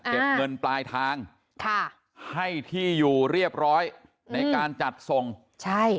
เก็บเงินปลายทางค่ะให้ที่อยู่เรียบร้อยในการจัดส่งใช่